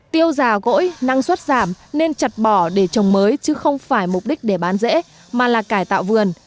tiêu già gỗi năng suất giảm nên chặt bỏ để trồng mới chứ không phải mục đích để bán rễ mà là cải tạo vườn